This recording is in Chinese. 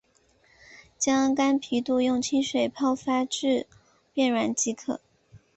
将干皮肚用清水泡发至变软即可。